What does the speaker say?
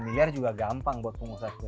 dan miliar juga gampang buat pengusaha itu